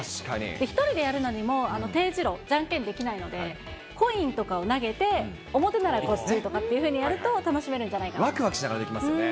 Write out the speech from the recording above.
１人でやるのにも、丁字路、じゃんけんできないので、コインとかを投げて、表ならこっちとかっていうふうにやると、楽しめるわくわくしながらできますよね。